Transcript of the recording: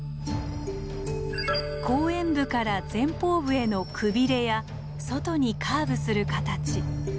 後円部から前方部へのくびれや外にカーブする形。